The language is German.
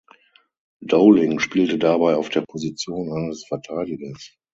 Dowling spielte dabei auf der Position eines Verteidigers.